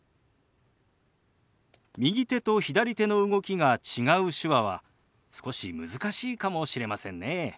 右手と左手の動きが違う手話は少し難しいかもしれませんね。